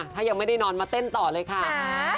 ถ้ายังไม่ได้นอนมาเต้นต่อเลยค่ะ